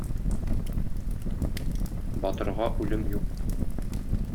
Батырга үлем юк.